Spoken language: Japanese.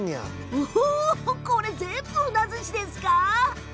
おお、これ全部ふなずしですか？